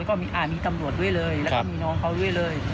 ก็มีตำรวจด้วยเลยแล้วก็มีน้องเขาด้วยเลย